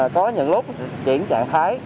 có những lúc chuyển trạng thái